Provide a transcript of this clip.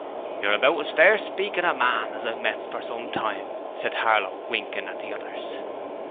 'You're about as fair speakin' a man as I've met for some time,' said Harlow, winking at the others.